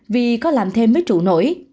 vì có làm thêm mới trụ nổi